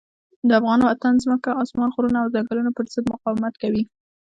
د افغان وطن ځمکه، اسمان، غرونه او ځنګلونه پر ضد مقاومت کوي.